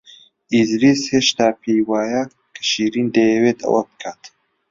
ئیدریس هێشتا پێی وایە کە شیرین دەیەوێت ئەوە بکات.